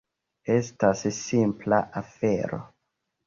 Estas simpla afero.